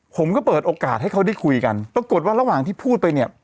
ผมก็เปิดโอกาสให้เขาได้คุยกันปรากฏว่าระหว่างที่พูดไปเนี่ย